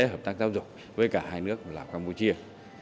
hợp tác giáo dục với cả hai nước lào campuchia